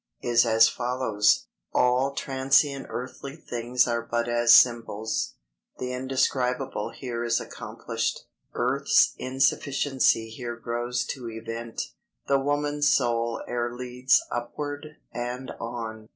is as follows: "'All transient earthly things Are but as symbols; The indescribable Here is accomplished; Earth's insufficiency Here grows to event; The woman soul e'er leads Upward and on!'